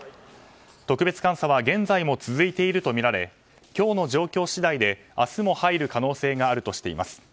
特別監査は現在も続いているとみられ今日の状況次第で、明日も入る可能性があるとしています。